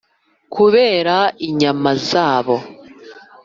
kubera inyama zabo